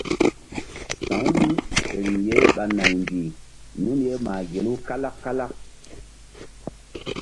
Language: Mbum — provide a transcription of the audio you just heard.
Sa̧wu mí riŋ ye ɓa naymbih nun ye mah gelu kalak kalak.